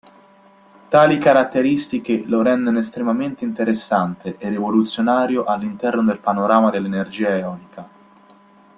Tali caratteristiche lo rendono estremamente interessante e rivoluzionario all'interno del panorama dell'energia eolica.